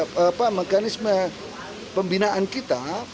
remisi adalah merupakan mekanisme pembinaan kita